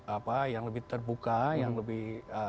apa yang lebih terbuka yang lebih